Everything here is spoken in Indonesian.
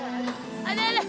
tidak tidak tidak